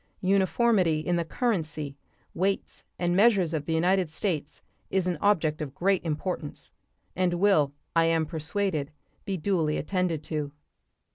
Uniformity in the currency, weights, and measures of the United States is an object of great importance, and will, I am persuaded, be duly attended to.